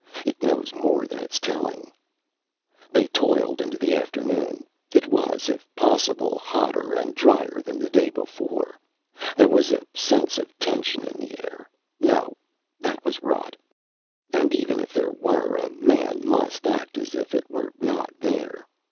It knows more than it's telling. They toiled into the afternoon. It was, if possible, hotter and drier than the day before. There was a sense of tension in the air no, that was rot. And even if there were, a man must act as if it were not there.